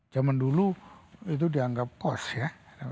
zaman dulu itu dianggap kos ya